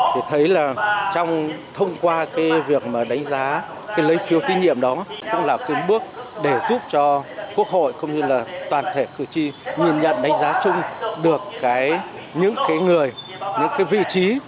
tôi thấy là thông qua việc đánh giá lấy phiếu tín nhiệm đó cũng là bước để giúp cho quốc hội cũng như toàn thể cử tri nhìn nhận đánh giá chung được những người những vị trí